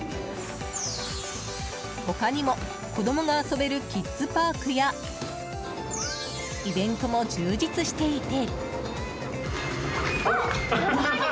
他にも、子供が遊べるキッズパークやイベントも充実していて。